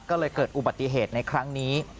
ก็เลยเกิดอุบัติเหตุในครั้งนี้